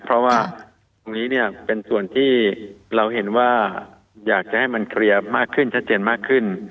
เพราะว่าตรงนี้เนี่ยเป็นส่วนที่เราเห็นว่าอยากจะให้มันเคลียร์มากขึ้นชัดเจนมากขึ้น